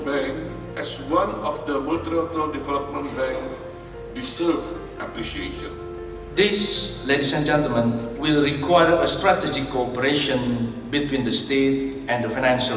akan membutuhkan kooperasi strategis antara negara dan institusi finansial